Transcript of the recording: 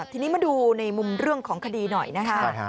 ทีนี้มาดูในมุมเรื่องของคดีหน่อยนะคะ